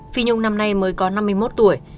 phi nông năm nay mới có năm mươi một tuổi